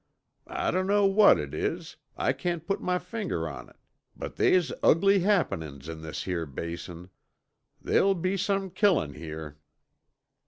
I dunno what it is, I can't put my finger on't, but they's ugly happenin's in this here Basin. They'll be some killin' here."